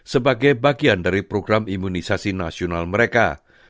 sebagai bagian dari program imunisasi nasional mereka